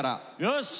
よし！